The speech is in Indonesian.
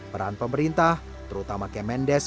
peran pemerintah terutama kemendes